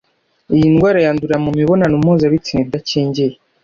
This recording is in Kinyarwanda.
Iyi ndwara yandurira mu mibonano mpuzabitsina idakingiye